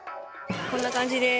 こんな感じです。